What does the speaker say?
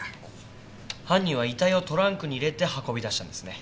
犯人は遺体をトランクに入れて運び出したんですね。